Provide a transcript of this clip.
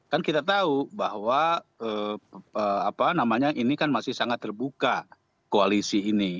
kan kita tahu bahwa ini kan masih sangat terbuka koalisi ini